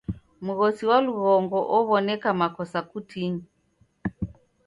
Mghosi wa lughongo ow'oneka makosa kotinyi.